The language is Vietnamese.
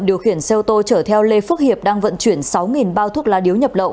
điều khiển xe ô tô chở theo lê phước hiệp đang vận chuyển sáu bao thuốc lá điếu nhập lậu